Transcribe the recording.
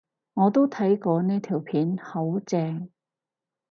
我都睇過呢條片，好正